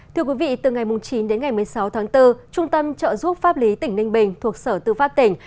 thưa quý vị từ ngày chín đến ngày một mươi sáu tháng bốn trung tâm trợ giúp pháp lý tỉnh ninh bình thuộc sở tư pháp tỉnh